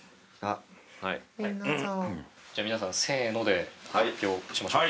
じゃあ皆さんせーので発表しましょう。